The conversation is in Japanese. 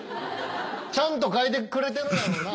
ちゃんと描いてくれてるやろな？